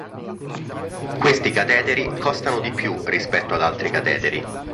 Questi cateteri costano di più rispetto ad altri cateteri.